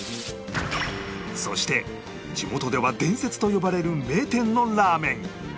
そして地元では伝説と呼ばれる名店のラーメン